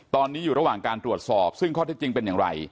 ตอนนี้อยู่ระหว่างการตรวจสอบซึ่งข้อเท็จจริงเป็นอย่างไร